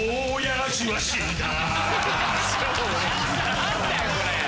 何だよそれ！